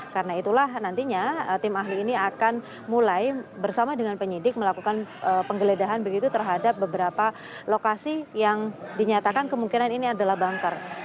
karena itulah nantinya tim ahli ini akan mulai bersama dengan penyidik melakukan penggeledahan begitu terhadap beberapa lokasi yang dinyatakan kemungkinan ini adalah banker